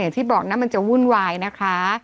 ที่บอกนะมันจะวุ่นวายนะคะ